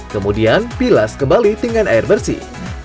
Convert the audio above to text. kemudian pilas kembali dengan air bersih